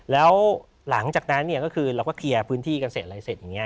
แล้วหลังจากนั้นเนี่ยก็คือเราก็เคลียร์พื้นที่กันเสร็จอะไรเสร็จอย่างนี้